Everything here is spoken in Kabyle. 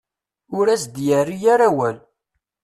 Ur as-d-yerri ara awal.